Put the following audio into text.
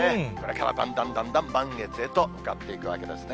これからだんだんだんだん満月へと向かっていくわけですね。